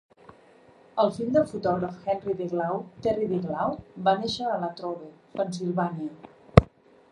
El fill del fotògraf Henry Deglau, Terry Deglau va néixer a Latrobe, Pennsylvania.